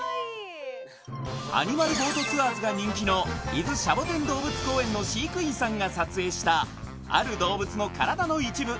アニマルボートツアーズが人気の伊豆シャボテン動物公園の飼育員さんが撮影したある動物の体の一部